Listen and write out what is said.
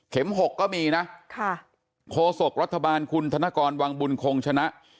๖ก็มีนะโคศกรัฐบาลคุณธนกรวังบุญคงชนะ